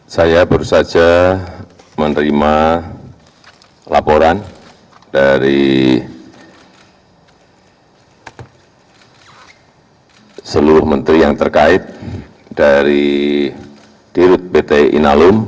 saya baru saja menerima laporan dari seluruh menteri yang terkait dari dirut pt inalum